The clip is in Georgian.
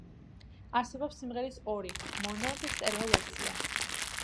არსებობს სიმღერის ორი, მონო და სტერეო ვერსია.